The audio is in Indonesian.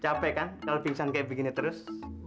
capek kan kalau pingsan kayak begini terus